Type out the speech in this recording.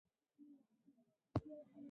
زه د ستونزو پر وخت صبر کوم.